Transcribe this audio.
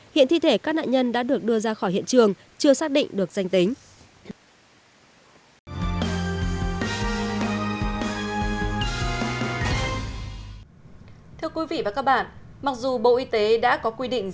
hiện thi thể các nạn nhân đã được đưa ra khỏi hiện trường chưa xác định được danh tính